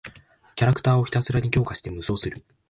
キャラクターをひたすらに強化して無双する。